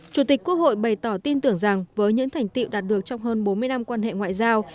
chủ tịch quốc hội bày tỏ tin tưởng rằng với những thành tiệu đạt được trong hơn bốn mươi năm quan hệ ngoại giao